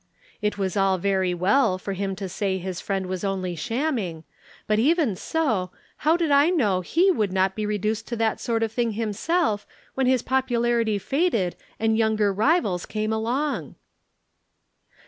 It was all very well for him to say his friend was only shamming, but even so, how did I know he would not be reduced to that sort of thing himself when his popularity faded and younger rivals came along."